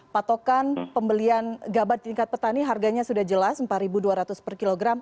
patokan pembelian gabah tingkat petani harganya sudah jelas empat ribu dua ratus per kilogram